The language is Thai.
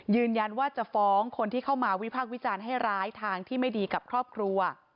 ยืนยันว่าจะฟ้องคนที่เข้ามาวิพากษ์วิจารณ์ให้ร้ายทางที่ไม่ดีกับครอบครัว